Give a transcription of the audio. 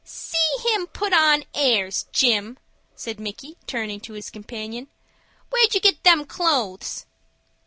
"See him put on airs, Jim," said Micky, turning to his companion. "Where'd you get them clo'es?"